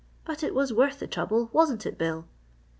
But it was worth the trouble, wasn't it, Bill?"